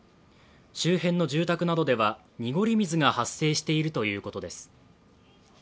周辺の住宅などでは濁り水が発生しているということです。